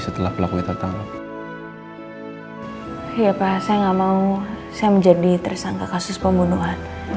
setelah pelakunya tetangga iya pak saya enggak mau saya menjadi tersangka kasus pembunuhan